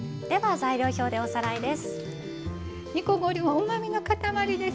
材料表でおさらいです。